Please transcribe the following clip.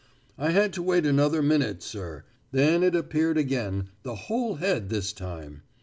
"I had to wait another minute, sir; then it appeared again, the whole head this time.